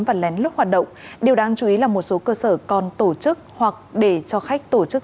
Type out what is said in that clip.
và lén lút hoạt động điều đáng chú ý là một số cơ sở còn tổ chức hoặc để cho khách tổ chức